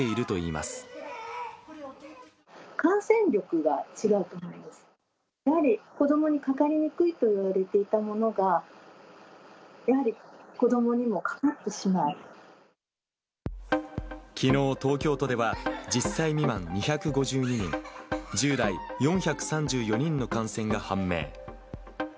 やはり、子どもにかかりにくいといわれていたものが、きのう東京都では、１０歳未満２５２人、１０代４３４人の感染が判明。